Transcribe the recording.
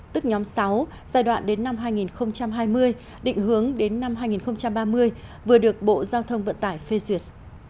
tức nhóm sáu giai đoạn đến năm hai nghìn hai mươi định hướng đến năm hai nghìn ba mươi vừa được bộ giao thông vận tải phê duyệt